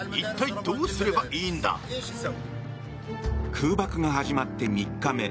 空爆が始まって３日目。